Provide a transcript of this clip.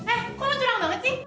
eh kok lo curang banget sih